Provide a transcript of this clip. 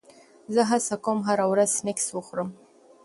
زه هڅه کوم هره ورځ سنکس وخورم.